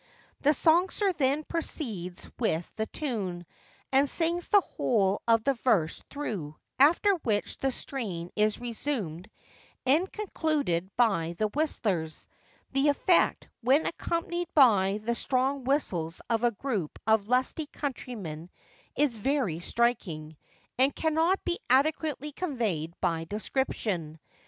The songster then proceeds with the tune, and sings the whole of the verse through, after which the strain is resumed and concluded by the whistlers. The effect, when accompanied by the strong whistles of a group of lusty countrymen, is very striking, and cannot be adequately conveyed by description.